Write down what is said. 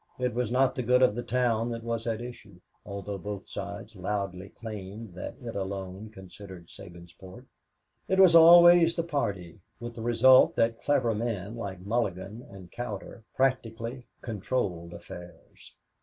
It was not the good of the town that was at issue, although both sides loudly claimed that it alone considered Sabinsport; it was always the party, with the result that clever men, like Mulligan and Cowder, practically controlled affairs.